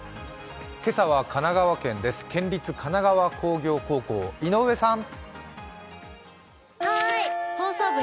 今朝は神奈川県です県立神奈川工業高校、井上さん！